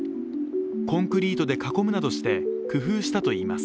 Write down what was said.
コンクリートで囲むなどして工夫したといいます。